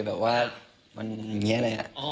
แบบว่ามันอย่างนี้เลย